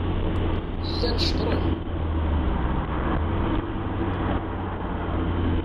Llan ceṭṛen.